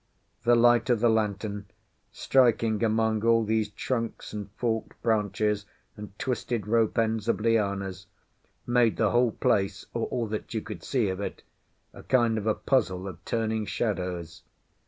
The light of the lantern, striking among all these trunks and forked branches and twisted rope ends of lianas, made the whole place, or all that you could see of it, a kind of a puzzle of turning shadows.